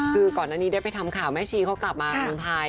คือก่อนอันนี้ได้ไปทำข่าวแม่ชีเขากลับมาเมืองไทย